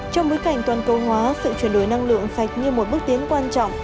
trong bối cảnh toàn cầu hóa sự chuyển đổi năng lượng sạch như một bước tiến quan trọng